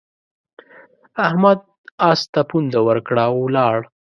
احمد اس ته پونده ورکړه او ولاړ.